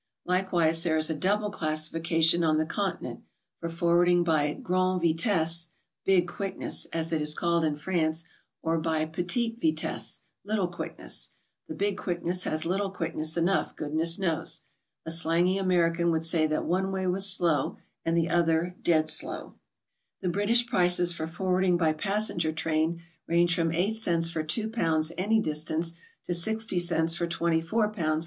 Likewise there is a double classification on the Continent, for forwarding by "grande vitesse," — big quickness, ^as it is called in France; or by "petite vitesse," — little quickness. The "big quickness" has little quickness enough, goodness knows. A slangy American would say that one way was slow, and the other dead slow, I 212 GOING ABROAD? The Eritrsh prices for forwarding by passenger train ^ range from 8 cents for 2 lbs. any distance, to 60 cents for 24 lbs.